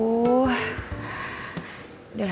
akuah kerja selasa